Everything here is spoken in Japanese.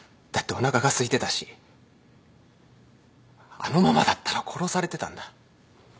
だっておなかがすいてたしあのままだったら殺されてたんだ。